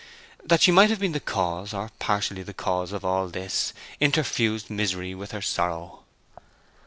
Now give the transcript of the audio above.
That she might have been the cause, or partially the cause, of all this, interfused misery with her sorrow.